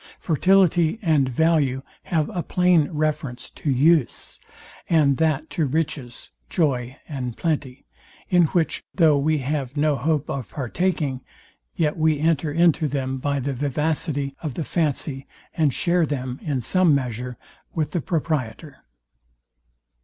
Fertility and value have a plain reference to use; and that to riches, joy, and plenty; in which though we have no hope of partaking, yet we enter into them by the vivacity of the fancy, and share them, in some measure, with the proprietor.